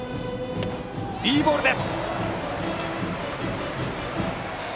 いいボールです！